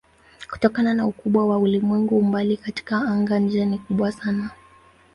Kutokana na ukubwa wa ulimwengu umbali katika anga-nje ni kubwa sana.